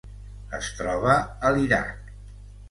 Es troba a l'Iraq.